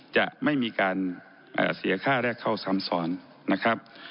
จะไม่มีการเสียค่าแรกเข้าซ้ำซ้อนนะครับ